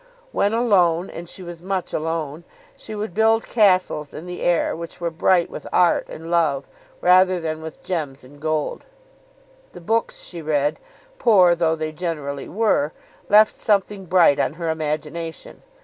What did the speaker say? When alone, and she was much alone, she would build castles in the air, which were bright with art and love, rather than with gems and gold. The books she read, poor though they generally were, left something bright on her imagination.